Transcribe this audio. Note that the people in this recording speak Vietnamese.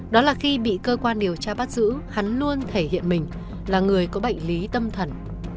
đó là khi bị cơ quan điều tra bắt giữ hắn luôn thể hiện mình là người có bệnh lý tâm thần